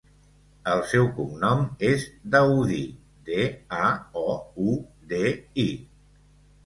El seu cognom és Daoudi: de, a, o, u, de, i.